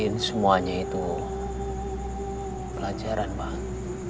jadiin semuanya itu pelajaran bang